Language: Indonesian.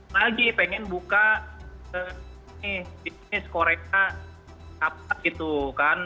lagi pengen buka nih bisnis korea apa gitu kan